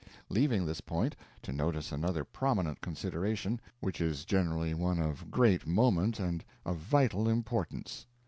Leaving this point, to notice another prominent consideration, which is generally one of great moment and of vital importance.